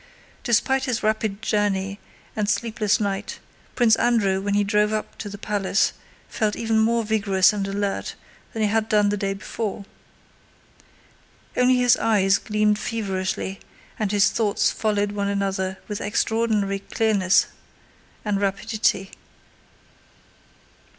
Despite his rapid journey and sleepless night, Prince Andrew when he drove up to the palace felt even more vigorous and alert than he had done the day before. Only his eyes gleamed feverishly and his thoughts followed one another with extraordinary clearness and rapidity.